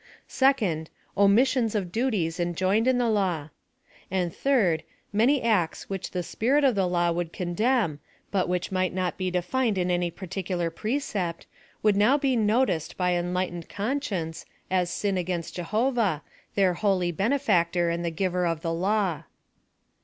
Second, omissions of duties enjoined in the Law ; and. Third, many acts which the spirit of the law would condemn, but which might not be defined in any particular pre cept, would now be noticed by enligh ened con PLAN OP SALVATION. 10*7 Bcieiice, as sin against Jehovah, their holy benefac tor, and the giver of the law.